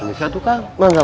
ini siapa kang